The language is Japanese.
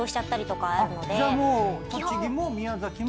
じゃあもう栃木も宮崎も。